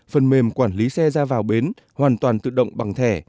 phần mềm quản lý xe ra vào bến hoàn toàn tự động bằng thẻ